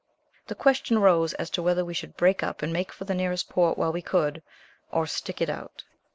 The question arose as to whether we should break up and make for the nearest port while we could, or "stick it out."